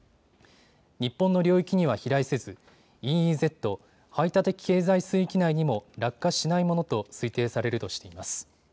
日本の領域には飛来せず、ＥＥＺ・排他的経済水域内にも落下しないものと推定されるとしています。